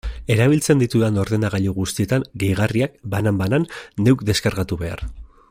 Erabiltzen ditudan ordenagailu guztietan gehigarriak, banan-banan, neuk deskargatu behar.